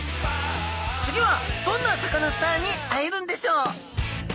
次はどんなサカナスターに会えるんでしょう。